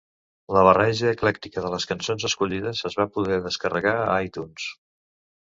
La barreja eclèctica de les cançons escollides es va poder descarregar a iTunes.